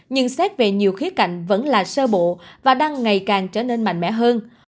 nhưng xét về nhiều khía cạnh vẫn là sơ bộ và đang ngày càng trở nên mạnh mẽ hơn